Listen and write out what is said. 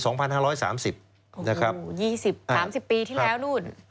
โอ้โห๒๐๓๐ปีที่แล้วนู่น